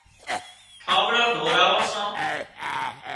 ٺانٻڙان ڌوراوان سان